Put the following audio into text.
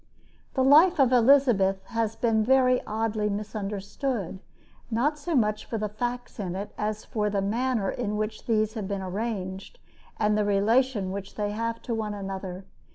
The life of Elizabeth has been very oddly misunderstood, not so much for the facts in it as for the manner in which these have been arranged and the relation which they have to one another.